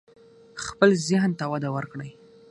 خپل ذهن ته وده ورکړئ.